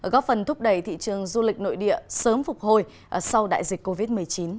góp phần thúc đẩy thị trường du lịch nội địa sớm phục hồi sau đại dịch covid một mươi chín